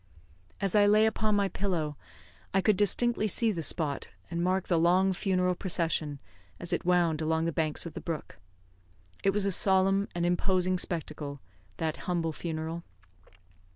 As I lay upon my pillow I could distinctly see the spot, and mark the long funeral procession, as it wound along the banks of the brook. It was a solemn and imposing spectacle, that humble funeral.